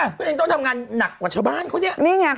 พี่ทางนี้ยังต้องทำงานหนักกว่าชาวบ้านเขาเนี่ย